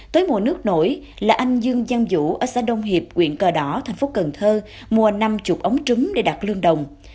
tới mùa nước nổi là anh dương giang vũ ở xã đông hiệp quyện cờ đỏ thành phố cần thơ mua năm mươi ống trứng để đặt lươn đồng